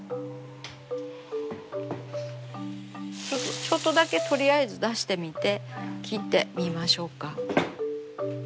ちょっとだけとりあえず出してみて切ってみましょうか。